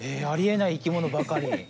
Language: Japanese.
ありえない生き物ばかり。